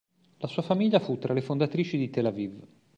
La sua famiglia fu tra le fondatrici di Tel Aviv.